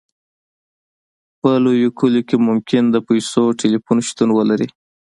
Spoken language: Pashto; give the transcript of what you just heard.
په لویو کلیو کې ممکن د پیسو ټیلیفون شتون ولري